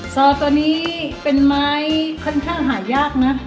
ซอตัวนี้เป็นไม้ค่อนข้างหายากนะ